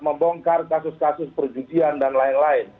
membongkar kasus kasus perjudian dan lain lain